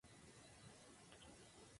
Por eso el derecho penal era arbitrario.